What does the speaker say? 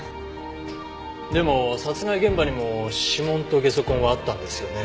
でも殺害現場にも指紋とゲソ痕はあったんですよね？